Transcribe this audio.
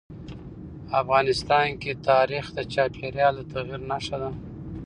افغانستان کې تاریخ د چاپېریال د تغیر نښه ده.